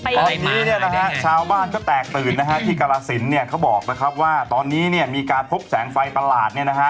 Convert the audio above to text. ตอนนี้ชาวบ้านก็แตกตื่นที่กรสินเขาบอกว่าตอนนี้มีการพบแสงไฟตลาด